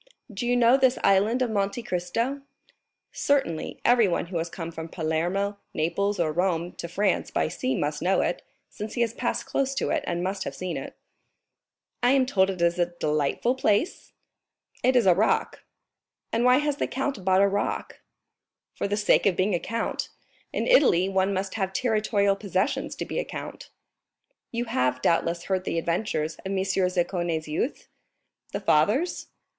"Do you know this Island of Monte Cristo?" "Certainly, everyone who has come from Palermo, Naples, or Rome to France by sea must know it, since he has passed close to it and must have seen it." "I am told it is a delightful place?" "It is a rock." "And why has the count bought a rock?" "For the sake of being a count. In Italy one must have territorial possessions to be a count." "You have, doubtless, heard the adventures of M. Zaccone's youth?" "The father's?"